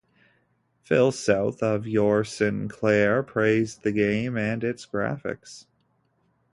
Phil South of "Your Sinclair" praised the game and its graphics.